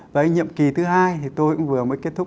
và cái nhiệm kỳ thứ hai thì tôi cũng vừa mới kết thúc